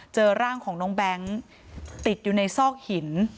เจอร่างของน้องแบงค์ติดอยู่ในซอกหิน